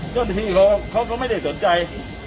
เจ้าหน้าที่เขาก็ไม่ได้สนใจ